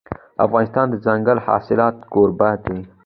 افغانستان د دځنګل حاصلات کوربه دی.